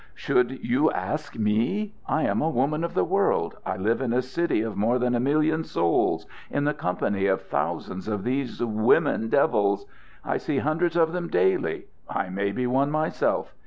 "Should you ask me? I am a woman of the world. I live in a city of more than a million souls in the company of thousands of these women devils. I see hundreds of them daily. I may be one myself.